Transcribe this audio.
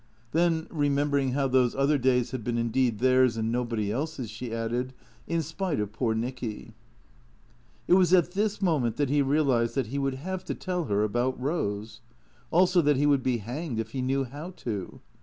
Then, remembering how those other days had been indeed theirs and nobody else's, she added, " In spite of poor Nicky." It was at this moment that he realized that he would have to tell her about Eose; also that he would be hanged if he knew how to.